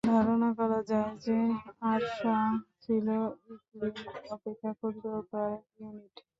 ধারণা করা যায় যে, আরসাহ ছিল ইকলিম অপেক্ষা ক্ষুদ্রতর ইউনিট।